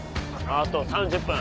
あと３０分。